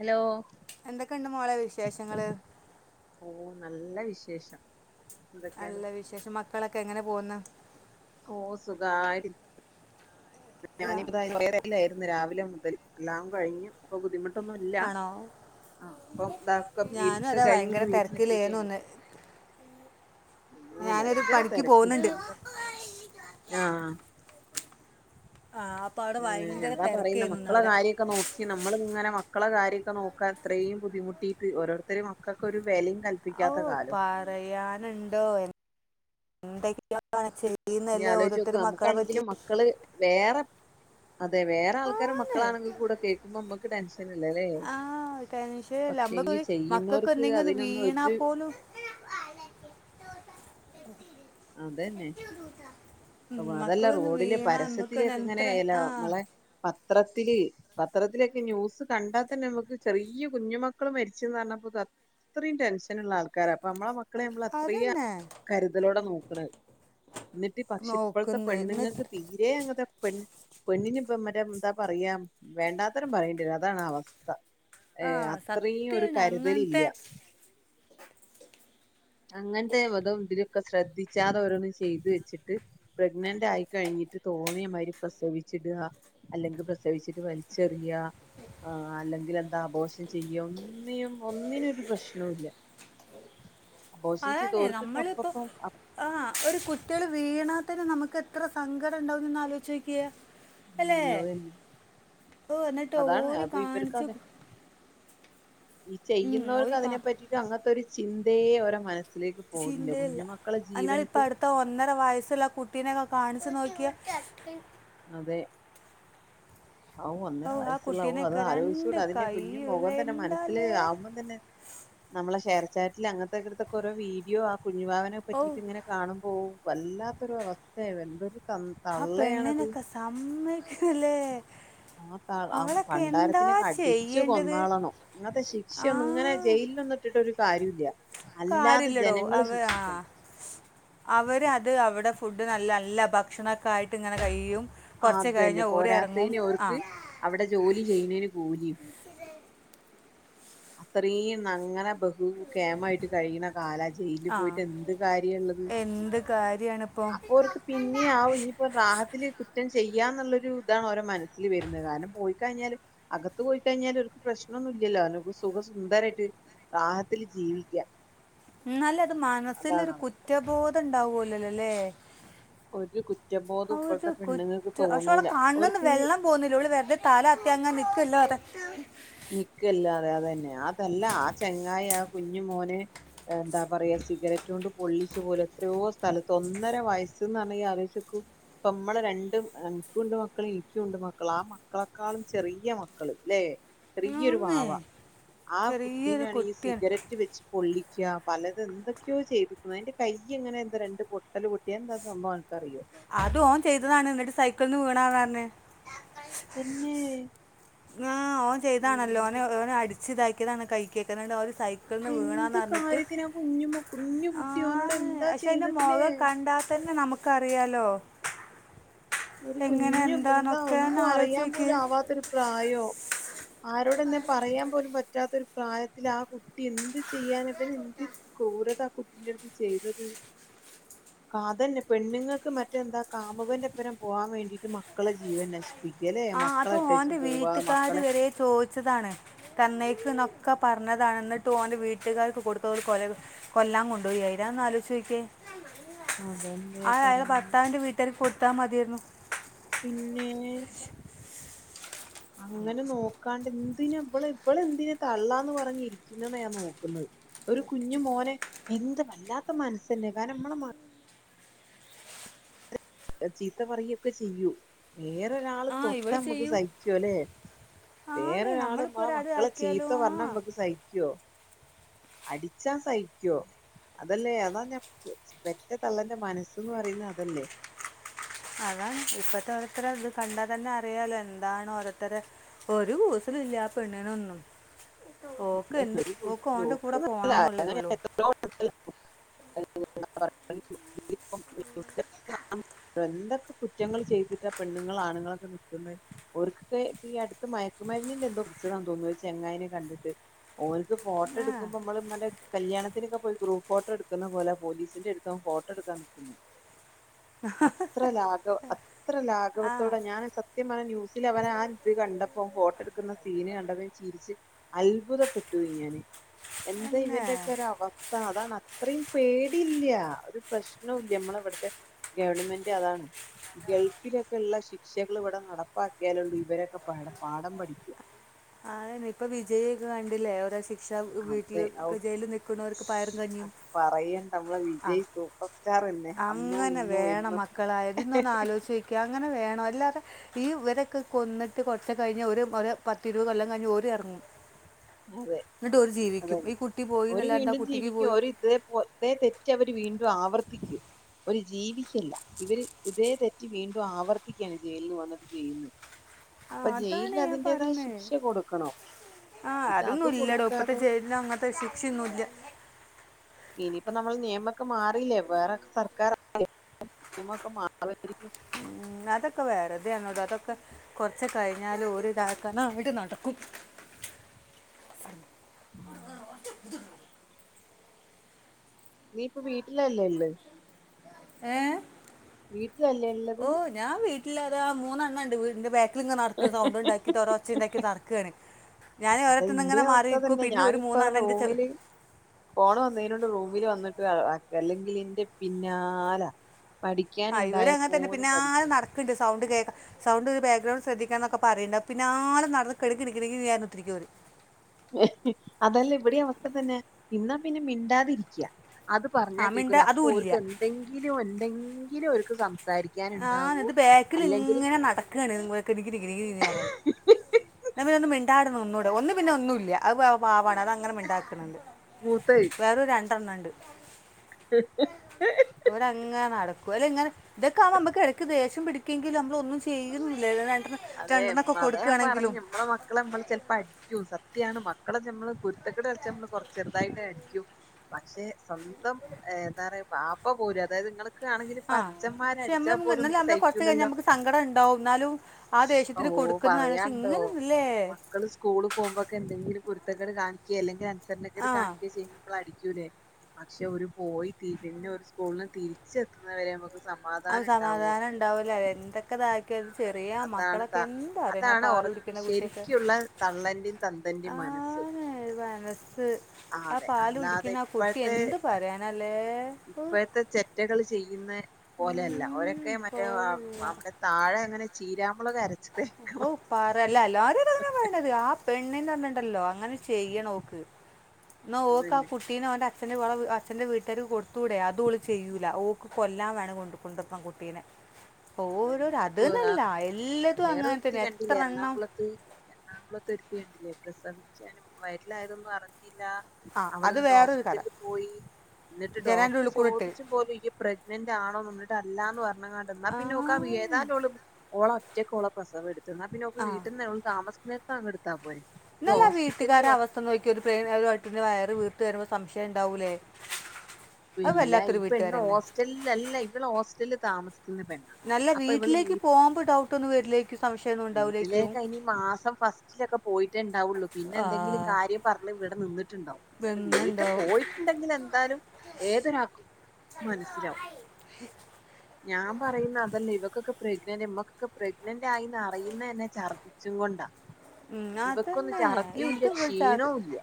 Hello എന്തൊക്കെയെണ്ട് മോളെ വിശേഷങ്ങള് ഓ നല്ല വിശേഷം എന്തൊക്കെയാണ് നല്ല വിശേഷം മക്കളെ ക്കെ എങ്ങനെ പോകുന്ന് ഓ സുഖായിട്ടിരി ആ, ഞാനിപ്പോ [inaudible] രാവിലെ എല്ലാം കഴിഞ്ഞ് ഇപ്പോ ബുദ്ധിമു ട്ടൊന്നു ഇല്ല ആണോ ആ അപ്പം ഇതാക്ക ഞാനും വീക്കെ അതാ കഴിഞ്ഞ് ഭയങ്കര ഇ വീട്ടില് തിരക്കിലേന്നു എത്തിട്ടേള്ള് ഒന്ന് ഇം ഞാനൊരു ഭയങ്കര പണിക്ക് തെരക്ക് പോകുന്നുണ്ട് ജീവിതം ആഹ ആ അപ്പോൾ അവിടെ ആ ഞാ ഭയങ്കര അതാ പറയുന്ന തിരക്കേന്നു മക്കളെ അവിടെ കാര്യമൊക്കെ നോക്കി നമ്മ നമ്മളിങ്ങനെ മക്കളെ കാര്യമൊക്കെ നോക്കാൻ അത്രയും ബുദ്ധിമുട്ടിട്ട് ഓരോരുത്തര് മക്കക്ക് ഒരു വിലയും ഓ കല്പ്പിക്കാത്ത കാലം പറയാനുണ്ടോ എ ശരി നീ ആലോചിച്ച് നോക്ക് നമുക്കാണെങ്കിലും മക്കള് വേറെ അതെ വേറെ ആൾക്കാരെ ആണ് മക്കളാണെങ്കിൽ കൂടെ കേക്കുമ്പോ നമ്മക്ക് ടെൻഷൻ ഇല്ലല്ലേ ടെൻഷനില്ല പക്ഷെ അമ്മക്ക് ഈ മക്കൾക്ക് ചെയ്യുന്നവർക്ക് എന്തെങ്കിലും ഒന്ന് അതിനൊന്നും വീണാ ഒരു പോലും അതന്നെ ഉം, അപ്പൊ അതല്ല മക്കളൊന്ന് റോഡിലെ വീണാ നമുക്ക് പരസ്യത്തിലേക്ക് എത്ര ആ ഇങ്ങനെല്ലമ്മളെ പത്രത്തില് പത്രത്തിലൊക്കെ ന്യൂസ് കണ്ടാൽ തന്നെ നമുക്ക് ചെറിയ കുഞ്ഞ് മക്കള് മരിച്ചെന്ന് പറഞ്ഞപ്പോ അത്രയും ടെൻഷനൊള്ള ആൾക്കാരാ അപ്പ അമ്മളെ മക്ക മക്കളെ നമ്മൾ അത്രയും അതന്നെ കരുതലോടെയാ നോക്കണത് എന്നിട്ട് പക്ഷി ത്തെ നോക്കുന്നു എന്നിട്ട് പെണ്ണുങ്ങക്ക് തീരെ അങ്ങനത്തെ പൊന്നിന് ഇപ്പം മറ്റേ എന്താ പറയാ വേണ്ടാത്തരം പറയേണ്ടിവരും അതാണ് ആ അവസ്ഥ. ആ ഏയ് അത്രയും ഒരു സത്യാണ് കരുതലില്ല. അങ്ങനത്തെ അങ്ങനത്തെ വതോ ഇതിലൊക്കെ ശ്രദ്ധിച്ചാതെ ഓരോന്നും ചെയ്തു വെച്ചിട്ട് പ്രഗ്നന്റ് ആയി കഴിഞ്ഞിട്ട് തോന്നിയ മാതിരി പ്രസവിച്ചിടുക അല്ലെങ്കിൽ പ്രസവിച്ചിട്ട് വലിച്ചെറിയാ അല്ലെങ്കിൽ എന്താ അബോഷം ചെയ്യുക ഒന്നും ഒന്നിനൊരു പ്രശ്നോവില്ല. [unintelligible] നമ്മളിപ്പോ ആഹ് ഒരു കുട്ട്യാൾ വീണ തന്നെ നമക്ക് എത്ര സങ്കടംണ്ടാവും ഇജി ഒന്ന് ആലോചി നോകിയെ അല്ലേ ഓ അതാണ് എന്നിട്ടോര് അപ്പൊ ഇവർക്ക് കാണിച്ചു അതെ ഈ ചെയ്യുന്നവർക്ക് അതിനെ പറ്റീട്ട് അങ്ങനത്തോരു ചിന്തയെ അവര മനസ് ചിന്തയില്ല എന്നാൽ ഇപ്പ അടുത്ത ഒന്നര വയസുള്ള ആ കുട്ടീനെക്ക കാണിച്ചു, നോക്കിയേ അതെ ഹാഹു, ഓ ആ ഒന്നരവയസ്സുള്ള, ഹോ, അത് കുട്ടീനെയൊക്കെ രണ്ട് അലോയിച്ചൂട, അതിന്റെ കൈയില്ല കുഞ്ഞുമൊകം, തന്നെ, മനസ്സില്, എന്താലേ ആകുമ്പം തന്നെ നമ്മളെ [unintelligible] കേട്ടില്ലേ, അങ്ങനെത്തേ, ഇങ്ങനത്തേ ഓരോ വീഡിയോയാ. കുഞ്ഞുവാവകളെ, ഓ പറ്റീട്ട് ഇങ്ങനെ, കാണുമ്പോ വല്ലാത്തൊരു, അവസ്ഥയാ, എന്തൊരു. എന്ത്, ആ തള്ളയാണത്. പെണ്ണിനൊക്കെ സമ്മതിക്കുന്നില്ലേ ആ, തള്ള, ആ, അവളൊക്കെ എന്താ പണ്ടാരത്തിനെക്കെ, അടിച്ചു, കൊന്ന്, ചെയ്യേണ്ടത് കളയണം, ഇങ്ങനെത്തേ ആ ശിക്ഷയൊന്നും, ജയിലിലൊന്നും ഇട്ടിട്ട്ഒന്നും, ഒരു ഒരു, കാര്യവും, ഇല്ലേ. ഒരു കാര്യഇല്ലെടോ, അത്, ആ അവര്, അത്, അവിടെ, ഫുഡ്, നല്ലനല്ല... ‌ ഭക്ഷണക്കയായിട്ട്, ഇങ്ങനെ, കഴിയും. ആ, കുറച്ച് അതന്നെ, കഴിഞ്ഞ് ഓര് ഇറങ്ങും പോരാത്തയിന്, ആ ഓർക്ക്, അവിടെ, ജോലി, ചെയ്യുന്നതിന്, കൂലിയും. അത്തറീം അങ്ങനെ ബഹുകേമായിട്ട് കഴിയണകാല ജയിലില് ആ പോയിട്ട് എന്ത് കാര്യള്ളത്. എന്ത് കാര്യമാണിപ്പോൾ അപ്പൊ അവർക്ക് പിന്നെ ആ ഇനിയിപ്പോ റാഹത്തില് കുറ്റം ചെയ്യാന്നുള്ളൊരു ഇതാണ് ഓരോ മനസ്സിൽ വരുന്നത് കാരണം പോയി കഴിഞ്ഞാല് അകത്ത് പോയി കഴിഞ്ഞാൽ അവർക്ക് പ്രശ്നൊന്നും ഇല്ലല്ലോ. സുഖ സുന്ദരായിട്ട് റാഹത്തില് ജീവിക്ക. എന്നലേ അത് മനസ്സിലൊരു കുറ്റബോ ഇണ്ടാവുമോല്ലല്ലല്ലേ? ഒരു കുറ്റബോധം അവര് ഇപ്പോഴത്തെ കുറ്റ പെണ്ണുങ്ങൾക്ക് പക്ഷെ അവൾടെ തോന്നൂല കണ്ണ്ന്ന് ഓർക്ക് വെള്ളം പോലുല്ല. അവള് വെറുത തല അത്തി അങ്ങെ നിക്കല്ലാതെ. [unintelligible] നിക്കല്ലാതെ അതന്നെ അതല്ലാ ആ ചെങ്ങായി ആ കുഞ്ഞു മോന, എന്താ പറയാ സിഗരറ്റ് കൊണ്ട് പൊള്ളിച്ചു. പോലും എത്രയോ സ്ഥലത്ത് ഒന്നര വയസ്സ്ന്ന് പറഞ്ഞാനീ അലോയിച്ചുനോകൂ ഇപ്പമ്മള് രണ്ട് എനിക്കുണ്ട് മക്കള് നിക്കുണ്ട് മക്കള് ആ മക്കളെക്കാളും ചെറിയ മക്കള് ല്ലെ. ചെറിയൊരു ഒന്നേ വാവ. ആ ചെറിയൊരു കുട്ടീനാണ് ഈ കുട്ടിയാണ് സിഗരറ്റ് വെച്ച് പൊള്ളി. പലത് എന്തൊക്കെയോ, ചെയ്തിക്കുന്നത്, അതിന്റെ കൈ, ഇങ്ങനെ, എന്താ, രണ്ട് പൊട്ടല്, പൊട്ടിയ, എന്താ, സം- ഭവാന്ന്, നിക്കറിയോ? അത് ഓൻ ചെയ്തതാണ്. എന്നിട്ട് സൈക്കിളിന്ന് വീണാന്ന് പറഞ്ഞ്. പിന്നെ ഓൻ ചെയ്താണല്ലോ ഓന ഓന അടിച്ച് ഇതാ [unintelligible] സൈക്കിള്ന്ന് എന്ത് വീണാന്ന്റഞ്ഞിട്ട് കാര്യത്തിന് ആ കുഞ്ഞു കുഞ്ഞു ആ കുട്ടി ഓനോട് എന്താ പക്ഷേ അതിന്റെ ചെയ്തത് ല്ലേ മുഖം കണ്ടാത്തന്നെ നമുക്ക് അറിയാലോ. ഒരു കുഞ്ഞു എന്താ ഒന്ന് ഒന്നും ആലോചിച്ച് അറിയാൻ നോക്ക് പോലും ആവാത്തൊരു പ്രായോ. ആരോടന്നെ പറയാൻ പോലും പറ്റാത്ത ഒരു പ്രായത്തില് ആ കുട്ടി എന്ത് ചെയ്യാന പിന്നെ എന്ത് ക്രൂരത ആ കുട്ടിനടുത്തു ചെയ്തത്. അതന്നെ പെണ്ണുങ്ങൾക്ക് മറ്റെന്താ കാമകന്റെ ഒപ്പരം പോകാൻ മേണ്ടിട്ട് മക്കളെ ജീവൻ നശിപ്പിക്കും. അപ്പൊ ഓന്റെ വീട്ട്കാര് വരെ ചോയ്ച്ചതാണ് തന്നേക്ക് ക്കൊ പറഞ്ഞതാണ് ന്നിട്ടും ഓന്റെ വീട്ട്കാർക് കൊടുത്തത്ആണ് കൊല്ലാൻ കൊണ്ടോയി അയിനെ അയ്ഒന്ന് അലോചോക്കിയെ അതല്ലേ അത് അയാളെ പറയാ ഭർത്താവിന്റെ വീട്ട്ർ ക്ക്‌ കൊടുത്ത മതിയായിരുന്നു പിന്നെ അങ്ങന നോക്കാണ്ട് പിന്നെ ഇവള് ഇവള് എന്തിനാ തള്ളാന് പറഞ്ഞിരിക്കുന്നു നോക്കുന്നത് ഒരു കുഞ്ഞുമോനെ എന്ത് വല്ലാത്ത മനസ്സിനെ ചീത്ത പറ യൊക്കെ ചെയ്യും [unintelligible] ഒരാൾ ആ ഇവൾ തൊട്ടാൽ നമ്മക്ക് ചെയ്യും സഹിക്കോല്ലേ ആന്നേ നമ്മളിപ്പോൾ വേറൊരാൾനമ്മളെ ഒരാൾ മക്കളെ ചീത്ത ആക്കിയാലോ പറഞ്ഞാൽ ആ നമക്ക് സഹിക്കോ അടിച്ചാ ഞാൻ സഹിക്കും അതല്ലേ അതാ ഞാൻ സ് പെറ്റ തള്ളൻ്റെ മനസ്സ്ന്ന് പറഞ്ഞാ അതല്ലേ അതാണ് ഇപ്പത്തെ ഓരോത്തരെ ഇത് കണ്ടാ തന്നെ അറിയാലോ എന്താണ് ഓരോരുത്തരെ ഒരു കൂസലും ഇല്ലാ ആ പെണ്ണിനൊന്നും ഓക്ക് എന്ത് ഓക്ക് [inaudible] ഓൻ്റെ കൂടെ പോകണം എന്നുള്ളതുള്ളൂ [inaudible] [inaudible] [unintelligible] എന്തൊക്കെ കുറ്റങ്ങൾ ചെയ്തിട്ടാ പെണ്ണുങ്ങള് ആണുങ്ങളൊക്കെ നിക്ക്ന്നേ ഓര്ക്കൊക്കെ ഇപ്പ ഈ അടുത്ത് മയക്കുമരുന്നിന്റെ എന്തോ പിടിച്ചതാന്ന് തോന്നുന്നു ഒരു ചെങ്ങായിനെ കണ്ടിട്ട്. ഓലിക്ക് ഫോട്ടോ ആ എടുക്കുമ്പോ ഇമ്മള് കല്യാണത്തിനൊക്കെ പോയി ഗ്രൂപ്പ് ഫോട്ടോ എടുക്കുന്ന പോലാ പോലീസിന്റെ എടുത്ത് ഓൻ ഫോട്ടോ എടുക്കാൻ നിക്ക്ന്നേ അത്ര ലാഘ് ലോ അ അത്ര ആ ലാഘവത്തോടെ ഞാന സ സത്യം പർന ന്യൂസിൽ അവൻ ആ ഇത് കണ്ടപ്പോ ഫോട്ടോ എടുക്കുന്ന സീന് കണ്ടപ്പോ ചിരിച്ച് അൽ അത്ഭുതപ്പെട്ടു പോയി ഞാന് എന്താ എന്നെ ഇവന്റെയൊക്കെ ഒരു അവസ്ഥ അതാണ് അത്രയും പേടിയില്ല ഒരു പ്രശ്നോല്ല ഇമ്മളെ ഇവിടുത്തെ ഗവൺമെന്റ് അതാണ് ഗൾഫിലൊക്കെ ഇള്ള ശിക്ഷകള് ഇവിടെ നടപ്പാക്കിയാലൊള്ളൂ ഇവരൊക്കെ പാ പാഠം പഠിക്കാ അതന്നെ ഇപ്പ വിജയി ഒക്കെ കണ്ടില്ലേ ഓരോ സി പക്ഷ വീട്ടിൽ അതെ ഔ ജയില നക്കുന്നവർക്ക് പയറും കഞ്ഞിയും അത് പറയണ്ട നമ്മളെ ആ വിജയ് സൂപ്പർ സ്റ്റാർ തന്നെ അന്നും അങ്ങനെ ഇന്നും വേണം എന്നും മക്കളായതിന്നൊന്ന് ആലോചോക്ക അങ്ങനെ വേണ അല്ലാതെ ഈ ഇവരൊക്കെ കൊന്നിട്ട് കൊറച്ച് കഴിഞ്ഞാ ഒരു ഒര് പത്തിരുപത് കൊല്ലം ഞ്ഞ് ഓര് എറങ്ങും അതെ അതല്ലെ പോയി ഒരു എന്നല്ലാണ്ട് ആ വീണ്ടും കുട്ടിക്ക് ജീവിക്കും പോയി ഒരു ഇതതേ തെ തെറ്റ് അവര് വീണ്ടും ആവർത്തിക്കും ഓല് ജീവിക്കല്ല ഇവര് ഇതേ തെറ്റ് വീണ്ടും ആവർത്തിക്കയാണ് ജയിൽന്ന് വന്നിട്ട് ചെയ്ന്നേ ആ അപ്പൊ അതാണ് ജയിൽന്ന് ഞാൻ അതിന്റേതായ പറഞ്ഞേ ശിക്ഷ കൊടുക്കണം. ആ ഇത് അത് അതൊന്നും ഇല്ലടോ ഇപ്പത്തെ കൊടുക്കാതെ ചേലിൽ അങ്ങനത്തെ ശിക്ഷയൊന്നുംല്ല ഇനിയിപ്പോ നമ്മൾ നിയമൊക്കെ മാറിയില്ലേ വേറെ സർക്കാർ നിയമൊക്കെ മാറരിക്കും ഉം അതൊക്കെ വേറെതെയാണെടോ, അതൊക്കെ കൊറച്ച് കഴിഞ്ഞാല് ഓരി [unintelligible] നടക്കും. ഉം നീ ഇപ്പൊ വീട്ടിലല്ലേ ഇള്ളേ ഏ വീട്ടിലല്ലേ ഇള്ള് ണ്ട് വീട്ടിൻ്റെ ബാക്ക് ഇ നടക്ക സൗണ്ട് ഉണ്ടാക്കിട്ട്ഓരോ ഒച്ച ഉണ്ടാക്കി നടക്കാണ് ഞാൻ അത് ഓരോത്തന്ന് എന്റെ ഇങ്ങെ മാറി അവസ്ഥ നിക്കും തന്നെ പിന്നെ ഒരു ഞാനിപ്പ മൂന്നണ്ണം എന്റെ ചെ റൂമില് ഫോണ് വന്നതിനോണ്ട് റൂമിൽ വന്നിട്ട് അല്ലെങ്കിൽ ഇന്റെ പിന്നാലാ അ ഇവര് അങ്ങനെ തന്നെ പിന്നാലെ നട്ക്കണ്ട് സൗണ്ട് കേ സൗണ്ട് ഒരു ബാക്ക്ഗ്രൗണ്ട് ശ്രദ്ധിക്കണന്നൊക്കെ പറയണ്ട് പിന്നാലെ നടന്ന് കെട്കിടിക്കിണി പറഞ്ഞ് കുത്തിരിക്കോര് അതല്ല ഇവിടെ അവസ്ഥ തന്നെ ഇന്നാ പിന്നെ മിണ്ടാതിരിക്ക്യാ അത് പറഞ്ഞാ അമിണ്ട കേക്കൂല അപ്പൊ അതും ഓൽക്ക് ഇല്ല എന്തെങ്കിലും എന്തെങ്കിലും ഒര് ക്സം ആഹ് ഇത് ബാക്കിൽ ഇങ്ങനെ നടക്കാണ് കിണി കിണിന്ന് പറയാൻ ന്നാ പിന്നെ ഒന്നും മിണ്ടാതെ ആടെ നിന്നൂടെ ഒന്ന് പിന്നെ ഒന്നും ഇല്ല അത് പാവാണ് അത് അങ്ങനെ മിണ്ടാക്കണണ്ട് മൂത്തയെ [unintelligible] ഒരരങ്ങനെ നട ഓല് ഇങ്ങനെ ഇതകാകുമ്പോ നമക്ക് ഇടക്ക് ദേഷ്യം പിടിക്കെങ്കിലും നമ്മൾ ഒന്നും ചെയ്യോന്നും ഇല്ലല്ലോ അതെ അതെ ഞാൻ പറഞ്ഞ നമ്മളെ മക്ക മക്കളെ നമ്മൾ ചിലപ്പോ അടിക്കും സത്യണ് മക്കളെ നമ്മള് കുരുത്തക്കേട് കാണിച്ചാൽ നമ്മൾ കുറച്ച് ചെറുതായിട്ട് അടിക്കും പക്ഷെ സ്വന്തം എന്താ പറയ ബാപ്പ പോലും അതായത് നിങ്ങൾ ആഹ് ക്ഷെ നമുക്ക് [unintelligible] കുറച്ച കഴിഞ്ഞാൽ സങ്കടം ഇണ്ടാകും ഇന്നാലും അവു പറയാണ് ണ്ടോ മക്കൾ സ്കൂൾ പോവുമ്പോ കെ എതെങ്കിലും കുര്ത്തക്കെട് കാണിക്കേ അല്ലെങ്കിൽ എന്തെങ്കിലും ആ കാണിക്കേ ചെയ്യുമ്പോളായിരിക്കും റ്റൂലെ പക്ഷെ ഓല് തിരിഞ്ഞ് സ്‌കൂളന്ന് തിരിച് എത്തുന്ന വരെ അത് സമാധാനം ഉണ്ടാകുല എന്തൊക്കെ താക്കിയാലും ഒരു ചെറീ അതന്നെ യ അതാണ് ത മക്കളൊക്കെ എന്ത് അറിണ് അതാണ് ഒറ പാൽകുടിക്കുന്ന കുട്ടിയൊക്ക ശരിക്കുള്ള തള്ളന്റെയും തന്തന്റെയും ആഹാ മനസ്സ് ന്ന് ആ അതെ പാൽ അല്ലാതെ കുടിക്കുന്ന കുട്ടിയെക്കെ ഇപ്പോഴത്തെ എന്ത് പറയാനാല്ലേ ഇപ്പോഴത്തെ ചെറ്റകൾ ചെയ്യുന്ന ഓലെ അല്ല ഉം, ഓലെക്കെ മറ്റേ പോലില്ല അവിടെ തായേ ചീരാമുളകരച്ച് ഹാവു പറയാണ്ടോ എല്ലാരും അതന്നെ പറയണത് ആ പെണ്ണിന്റെ അത്ണ്ടല്ലോ ചെയ്യണം ഓൾക് ന്നാ ഓൾക്ക് ആ അതന്നെ കുട്ടിനെ അച്ഛൻ [unintelligible] അച്ഛൻന്റെ വീട്ടാർക്ക് കൊട് ത്തുടെ അത് ഓൾ ചെയ്യൂല ഓൾക് കൊല്ലാൻ വേണം കൊണ്ടൊന്നത് കുട്ടീനെ ഓരോര് അത്ന്നല്ല എല്ല വേറെ ഒര്ത്തി കണ്ടില്ലേ എറണാകുളത്ത് ജ്ജ് കേട്ടിലെ പ്രസവിച്ചണെന്റെ മുമ്പ് വയറ്റിലായതൊന്നും അറിഞ്ഞി ട്ടില്ലാ ന്ന് ആ അവൾ അത് ന്നട്ട് വേറൊരു കഥ ഹോസ്പിറ്റലിൽ പോയി ന്നട്ട് ജനാൻ്റെ ഡോക്ടർ ഉള്ളിൽ കൂടെ ഇട്ട് ചോദിച്ചു പോലും യ്യ് പ്രഗ്നെന്റ് ആണോന്നും ന്നട്ട് അറിഞ്ഞില്ല ല്ലാ ന്ന് പറഞ്ഞകാണ്ട് പിന്നെ ഓൾക് [unintelligible] ആന്ന്. ഏതായാലും ഓൾ ഓൾ ഒറ്റക്ക് ഓളെ പ്രസവം എടുത്തു ന്നാ പിന്നെ ഓൾക് ആ വീട്ട്ന്നെ ഓൾ താമസം എന്നിട്ടങ്ങടുത്താ പോരെ ഇത് ഇന്നല ആ ഹോസ്പിറ്റലിൽ വീട്ടുകാരെ വന്ന് അവസ്ഥ നോക്കി ഒരു പ്രേ വട്ടിന്റെ വയറ് വീർ തേറുംമ്പം സംശയിണ്ടാവൂല്ലേ ഇല്ല ഈ പെണ്ണ് ഹോസ്റ്റൽ അല്ല ഇവള് ഹോസ്റ്റലിൽ താമസിക്ക നല്ല വീട്ടിലേക്ക് പോകുമ്പോ ഡൗട്ട് ഒന്നും വെരിലേക്കും സംശയം വീട്ടിലേക്കയ്ന് മാസം ഫസ്റ്റിലൊക്കെ പോയിട്ടേണ്ടാവുള്ളു പിന്നെ ആ എന്തെങ്കിലും കാര്യം പറഞ്ഞ് ഇവിടെ നിന്ന് ണ്ടാവും അല്ലാണ്ട് വീട്ടിൽ വെന്നുണ്ടാവും പോയിട്ടുണ്ടെങ്കിൽ എന്താലും ഏതൊരാക്കും മനസ്സിലാവും ഞാൻ പറയുന്ന അതല്ലേ ഇവക്കൊക്കെ പ്രെഗ്നന്റ് ഇമ്മക്കൊക്കെ പ്രെഗ്നന്റ് ആയിന്ന അയ്ന്നന്നെ ഛർദ്ദിച്ചും കൊണ്ടാ ഉം, ഇവക്കൊന്നും അതന്നെ ചർതിയുല്ല ഇത് വിളിച്ചാൽ ക്ഷീണവുല്ല.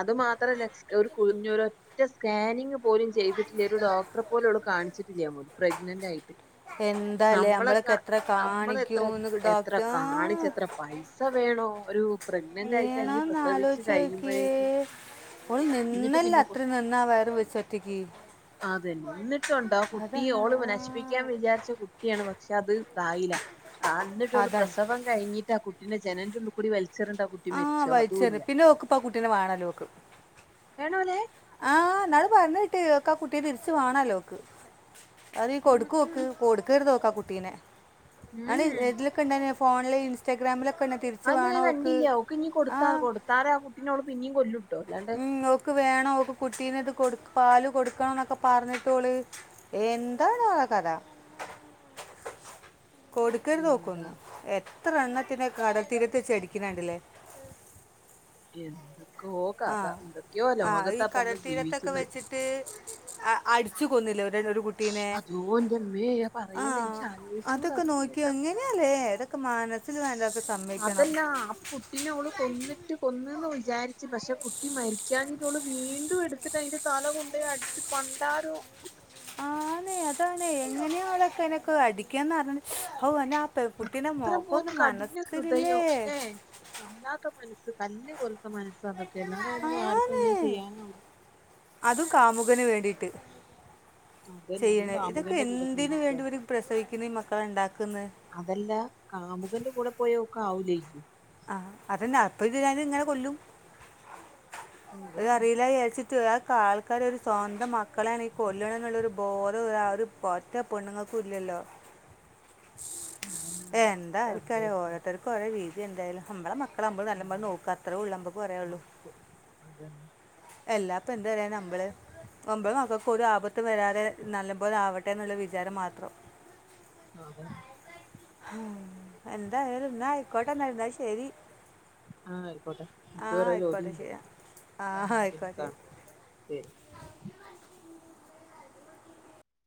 അത് മാത്രല്ല ഒരൊറ്റ സ്കാനിങ് പോലും ചെയ്തിട്ടില്ല ഒരു ഡോക്ടറെ പോലും ഓള് കാണിച്ചിട്ടില്ല പ്രഗ്നന്റായിട്ട്. എന്താലേ നമ്മളക്ക എത്ര നമ്മള് എത്ര കാണിക്കും എന്ന് എത്ര ഡോക്ടർ കാണിച്ച എത്ര പൈസ വേണോ ഒരു പ്രഗ്നന്റ് ആയി കഴിഞ്ഞ് ഏണോന്ന് പ്രസവിച്ച് ആലോയിച്ചോക്കി കഴിയുമ്പോഴേക്ക് ഓള് എന്നിട്ട് നിന്നല്ല പിന്നെ അത്ര നിന്നാ വയറ് വെച്ചൊറ്റക്ക്. അതന്നെ ന്നി പുണ്ടോ കുട്ടി ഓള് ആ നശിപ്പിക്കാൻ വിചാരിച്ച കുട്ടിയാണ് മ പക്ഷെ അത് കായില്ല ആന്നിട്ടുള്ള അതാണ് പ്രസവം കഴിഞ്ഞി ആ കുട്ടിനെ ജനലിന്റുളളി കുടി വലിച്ച് ആഹ് വയിച്ചെര് പിന്നെ ഓക്ക് ഇപ്പ ആ കുട്ടീനെ വേണാലോക്ക്. വേണോലെ ആഹ് എന്നാള് പറഞ്ഞ കേട്ട് ആ കുട്ടിയെ തിരിച്ചു വേണല്ലോക്ക് അതീ ഉം കൊടുക്കോക്ക് ഉം കൊടുക്കരുതോക്ക് ആ കുട്ടി പിന്നെ ആ ഉം ഏതിലൊക്കെ ഇണ്ടാര് ഫോൺ ല ഇൻസ്റ്റാഗ്രാം ല ആ ഞാ കണ്ടില്ല അവക്ക് ഇനി ആ കൊടുത്താ കൊടുത്താറ ആ കുട്ടിനോട് പിന്നീം കൊല്ലും. ഉം ഓക്ക് വേണം ഓക്ക് കുട്ടീന ഇത് കൊടുക്കു പാല് കൊടുക്കണം ന്നൊക്ക പറഞ്ഞിട്ടോള് എന്താണ് ആഹ് കഥ കൊടുക്കരുത് ഓക് എന്താ ഒന്നും ഏ എത്ര എണ്ണത്തിനെ കട തീരത്ത് വെച്ച് അടിക്കണ കണ്ടില്ലേ ഉ [unintelligible] ആഹ് ആ ഈ ഇപ്പൊ നമ്മള് കടൽത്തീരത്തൊക്കെ ജീവിക്കുന്നത് വെച്ചിട്ട് അടി ച്ച്കൊന്നില്ലേ. ഒരു കുട്ടീനെ അതോ എന്റെമ്മേ ആ പറയല്ലേ എനിക്ക് ആലോചിച്ചൂട അതൊക്കെ നോക്കി എങ്ങനെയല്ലേ അതൊക്കെ മാന അതല്ലാ അപ്പൊ കുട്ടിനെ അവള് കൊന്നിട്ട് കൊന്നന്ന് വിചാരിച്ച പക്ഷെ കുട്ടി മരിക്കാനഞ്ഞിട്ടുള്ളൂ വീണ്ടും എടുത്തിട്ട് അതിന്റെ തല കൊണ്ട അടിച്ചു പണ്ടാരോ ആനെ അതാണ് എങ്ങനെയ ആളൊക്കെ എനക്ക് അടിക്കാന്ന് പററ ഓ പെൺകുട്ടീനെ അത്രം പോലും മോക്കൊന്നും കഠിന ഹൃദയോ മനസ്സിലില്ലേ ഏലേ വല്ലാത്ത മനസ്സ് കല്ല് പോലത്തെ മനസാ എല്ലാായിരുന്നു ആർക്കും ആണ് എങ്ങനെ ചെയ്യാനാവില്ല. ട്ട്- അതന്നെ അതും കാമുകന്റെ കൂടെ വേണ്ടി ജീവിക്കാൻ. ഇവര് പ്രസവിക്കുന്ന ഈ മക്കളെ ഉണ്ടാക്കുന്നത് അതല്ല കാമുകന്റെ കൂടെ പോയോ ക്കാവൂലേക്കും ആഹ് അതന്നെ അപ്പം ചെയ്താലും ഇങ്ങനെ കൊല്ലും. അത് അറിയില്ലായാച്ചി റ്റ് അ ഒക്കെ ആൾക്കാര് ഒരു സ്വന്തം മക്കളേണ് ഈ കൊല്ല്ണേന്നുള്ളരു ബോധം ആ ഒരു ഒറ്റ പെണ്ണുങ്ങൾക്കൂം ഇല്ലല്ലോ. അതന്നെയാണ് എന്താ അവസ്ഥ ആർക്കറിയാ എല്ലായിടത്തും ഓരോരുത്തർക്ക് ഓരോ രീ തി. എന്തായാലും നമ്മളെ മക്ക ളെ നമ്മള് ഉം നല്ലംമ്പോലെ നോക്കാ അത്രേയൊള്ളൂ നമക്ക് പറയാനുള്ളൂ. നോക്ക് അതന്നെ എല്ലാ പ്പ് എന്ത് പറയാനാ മ്പള്. നമ്പളെ മക്കൾക്ക് ഒരാപത്തും വരാതെ നല്ലം പോലെ ആവട്ടെ എന്നുള്ള വിചാരം മാത്രം. അതെ എന്തായാലും ഇന്നാ ആയിക്കോട്ടെന്നാല് ന്നാ ശരി. ആഹ് ആയിക്കോട്ടെ ഇച്ച് ആ കൊറെ ആയിക്കോട്ടെ ജോലിണ്ട്. ശരി ആ എന്നാ പിന്നെ ആയിക്കോട്ടെ കാണാം ശരി.